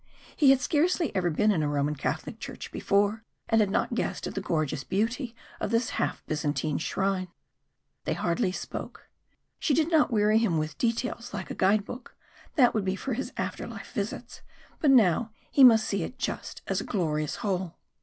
He had scarcely ever been in a Roman Catholic church before, and had not guessed at the gorgeous beauty of this half Byzantine shrine. They hardly spoke. She did not weary him with details like a guide book that would be for his after life visits but now he must see it just as a glorious whole.